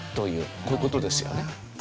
こういう事ですよね。